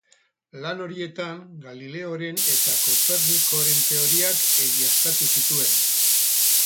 Lan horietan, Galileoren eta Kopernikoren teoriak egiaztatu zituen.